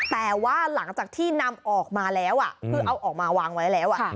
แต่ว่าหลังจากที่นำออกมาแล้วคือเอาออกมาวางไว้แล้ว